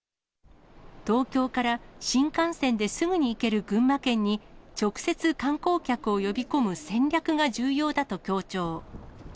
東京から新幹線ですぐに行ける群馬県に、直接観光客を呼び込む戦略が重要だと強調。